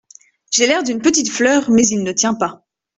J’ai l’air d’une petite fleur ; mais il ne tient pas…